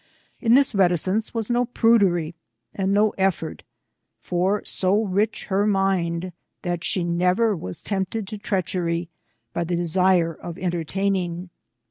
In this reticence was no prudery and no eflbrt. For, so rich her mind, that she never was tempted to treachery, by the desire of entertaining.